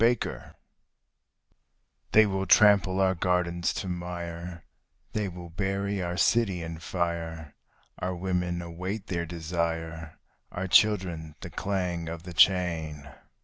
PILLAGE They will trample our gardens to mire, they will bury our city in fire; Our women await their desire, our children the clang of the chain.